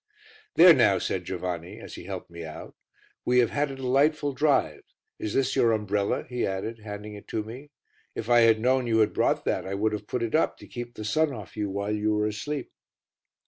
"There now," said Giovanni, as he helped me out, "we have had a delightful drive. Is this your umbrella?" he added, handing it to me; "if I had known you had brought that, I would have put it up to keep the sun off you while you were asleep."